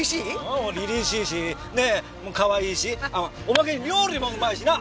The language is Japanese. ああ凛々しいしねえかわいいしあっおまけに料理もうまいしな。